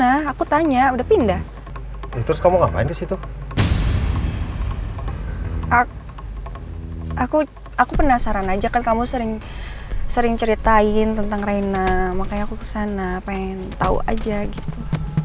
aku penasaran aja kan kamu sering ceritain tentang reina makanya aku kesana pengen tau aja gitu